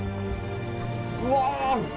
うわ！